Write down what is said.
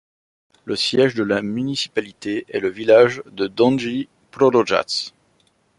Le siège de la municipalité est le village de Donji Proložac.